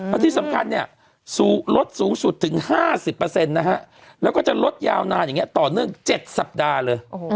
แล้วที่สำคัญลดสูงสุดถึง๕๐แล้วก็จะลดยาวนานต่อเนื่อง๗สัปดาห์เลย